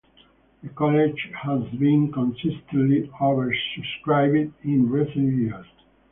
The college has been consistently oversubscribed in recent years.